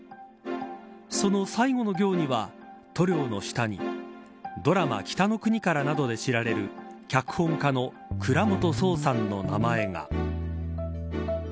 その最後の行には塗料の下にドラマ北の国からなどで知られる脚本家の倉本聰さんの名前が。